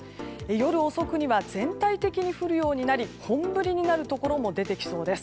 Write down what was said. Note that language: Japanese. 夜遅くには全体的に降るようになり本降りになるところも出てきそうです。